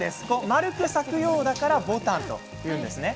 丸く咲くようだから牡丹というんですね。